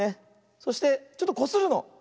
そしてちょっとこするの。